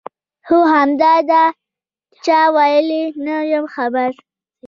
هو همدا، دا چا ویلي؟ نه یم خبر.